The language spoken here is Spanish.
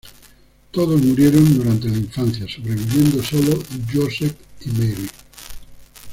Todos murieron durante la infancia, sobreviviendo sólo Joseph y Mary.